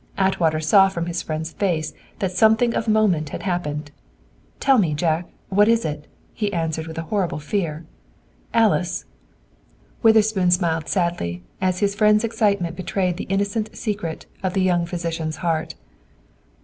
Atwater saw from his friend's face that something of moment had happened. "Tell me, Jack, what is it?" he asked with a horrible fear. "Alice?" Witherspoon smiled sadly, as his friend's excitement betrayed the innocent secret of the young physician's heart.